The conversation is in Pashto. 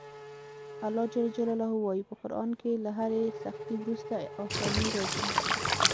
الله ج وایي په قران کې له هرې سختي وروسته اساني راځي.